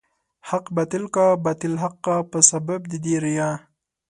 حق باطل کا، باطل حق کا په سبب د دې ريا